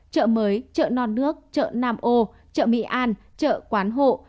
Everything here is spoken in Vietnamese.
chợ mới chợ non nước chợ nam ô chợ mỹ an chợ quán hộ